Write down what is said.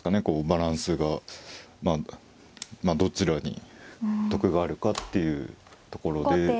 こうバランスがどちらに得があるかっていうところで。